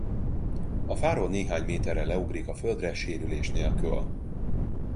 A fáról néhány méterre leugrik a földre sérülés nélkül.